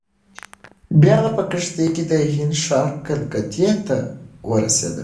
بیا په کښتۍ کې د هند ښار کلکتې ته ورسېد.